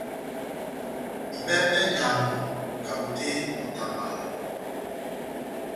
Ihibɛwɛ pɛhɛ nʼnyamu kabotè moto wa mala